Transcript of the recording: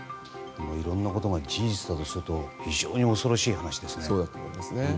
いろいろなことが事実だとすると非常に恐ろしい話ですね。